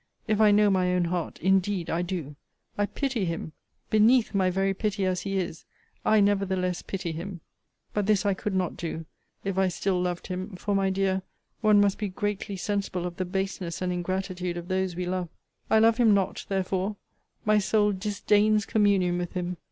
If I know my own heart, indeed I do! I pity him! beneath my very pity as he is, I nevertheless pity him! But this I could not do, if I still loved him: for, my dear, one must be greatly sensible of the baseness and ingratitude of those we love. I love him not, therefore! my soul disdains communion with him.